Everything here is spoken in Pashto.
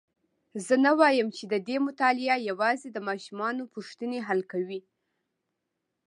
زه نه وایم چې ددې مطالعه یوازي د ماشومانو پوښتني حل کوي.